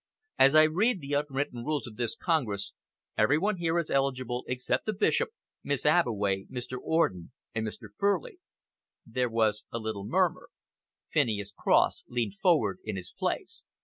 As I read the unwritten rules of this Congress, every one here is eligible except the Bishop, Miss Abbeway, Mr. Orden and Mr. Furley." There was a little murmur. Phineas Cross leaned forward in his place.